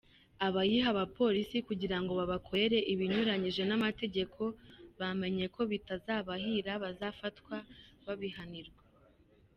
Abayiha Abapolisi kugira ngo babakorere ibinyuranyije n’amategeko bamenye ko bitazabahira; bazafatwa babihanirwe.